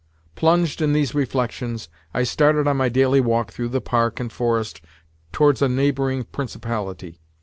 Plunged in these reflections, I started on my daily walk through the Park and forest towards a neighbouring principality.